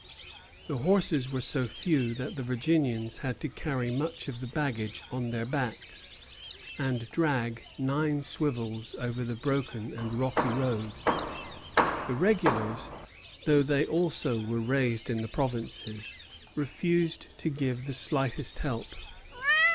The horses were so few that the Virginians had to carry much of the baggage on their backs, and drag nine swivels over the broken and rocky road. The regulars, though they also were raised in the provinces, refused to give the slightest help.